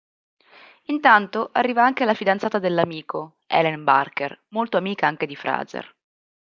Intanto arriva anche la fidanzata dell'amico, Helen Barker, molto amica anche di Frazer.